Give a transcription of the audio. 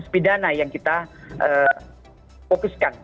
bidana yang kita fokuskan